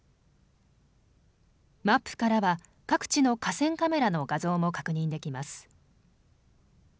マップからは各地の河川カメラの画像も確認できます。